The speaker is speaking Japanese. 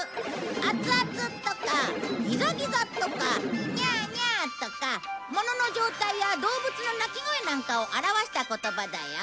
アツアツとかギザギザとかニャーニャーとかものの状態や動物の鳴き声なんかを表した言葉だよ。